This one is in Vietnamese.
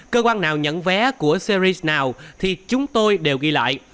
cơ quan nào nhận vé của series nào thì chúng tôi đều ghi lại